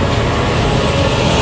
aku mau ke rumah